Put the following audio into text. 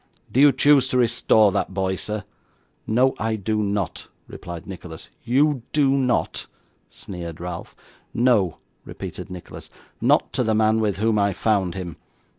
Do you choose to restore that boy, sir?' 'No, I do not,' replied Nicholas. 'You do not?' sneered Ralph. 'No,' repeated Nicholas, 'not to the man with whom I found him.